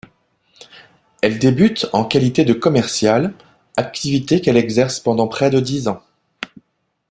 Elle débute en qualité de commerciale, activité qu'elle exerce pendant près de dix ans.